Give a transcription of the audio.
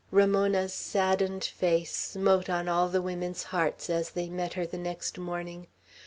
Ramona's saddened face smote on all the women's hearts as they met her the next morning.